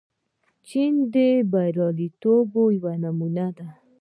چین د بریالیتوب یوه نمونه ده.